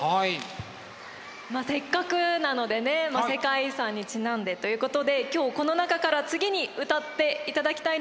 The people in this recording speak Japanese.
せっかくなのでね世界遺産にちなんでということで今日この中から次に歌っていただきたいのが。